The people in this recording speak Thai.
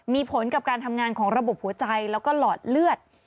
มีผลกับการทำงานของระบบหัวใจแล้วก็หลอดเลือด